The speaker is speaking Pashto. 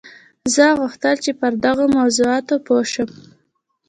زه غوښتل چې پر دغو موضوعاتو پوه شم